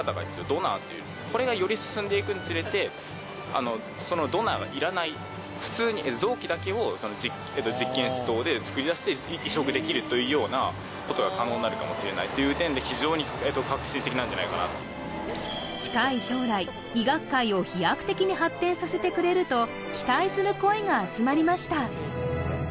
ドナーというこれがより進んでいくにつれてそのドナーがいらない普通に臓器だけを実験室等で作り出して移植できるというようなことが可能になるかもしれないという点で非常に革新的なんじゃないかなと近い将来医学界を飛躍的に発展させてくれると期待する声が集まりました